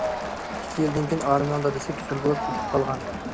ئىككى يىلدىن كېيىن ئالىمنىڭ دادىسى كېسەل بولۇپ يېتىپ قالغان.